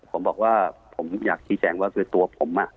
ผมบอกว่าผมอยากชี้แจงว่าคือตัวผม